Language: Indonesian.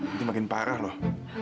nanti makin parah loh